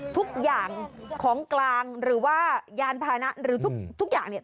ทุกอย่างของกลางหรือว่ายานพานะหรือทุกอย่างเนี่ย